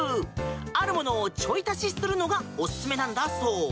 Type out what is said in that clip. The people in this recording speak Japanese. あるものをちょい足しするのがおすすめなんだそう。